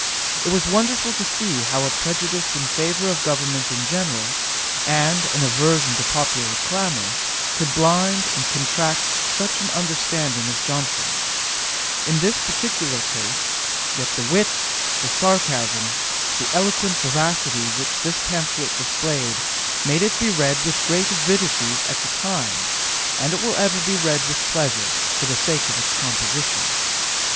It was wonderful to see how a prejudice in favour of government in general, and an aversion to popular clamour, could blind and contract such an understanding as Johnson's, in this particular case; yet the wit, the sarcasm, the eloquent vivacity which this pamphlet displayed, made it be read with great avidity at the time, and it will ever be read with pleasure, for the sake of its composition.